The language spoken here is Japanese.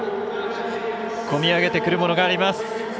込み上げてくるものがあります。